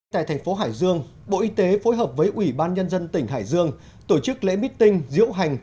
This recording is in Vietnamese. tại thành phố hải dương bộ y tế phối hợp với ủy ban nhân dân tỉnh hải dương tổ chức lễ meeting diễu hành